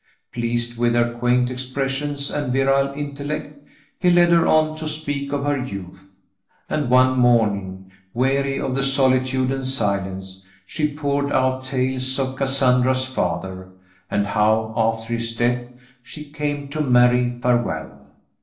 Pleased with her quaint expressions and virile intellect, he led her on to speak of her youth; and one morning, weary of the solitude and silence, she poured out tales of Cassandra's father, and how, after his death, she "came to marry Farwell."